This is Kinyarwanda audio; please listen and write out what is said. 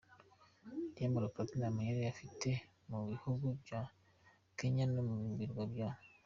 Diamond Platnumz yari afite mu bihugu bya Kenya no mu birwa bya